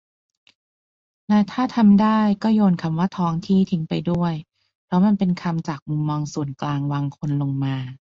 และถ้าทำได้ ก็โยนคำว่า "ท้องที่" ทิ้งไปด้วย เพราะมันเป็นคำจากมุมมองส่วนกลางวางคนลงมา